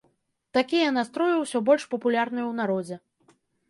Такія настроі ўсё больш папулярныя ў народзе.